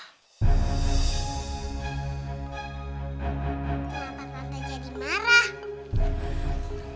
kenapa tante jadi marah